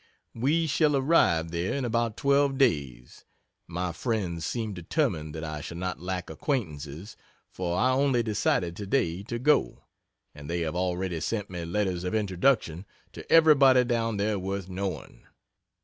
We shall arrive there in about twelve days. My friends seem determined that I shall not lack acquaintances, for I only decided today to go, and they have already sent me letters of introduction to everybody down there worth knowing.